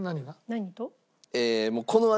何と？